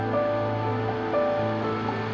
nanti bu mau ke rumah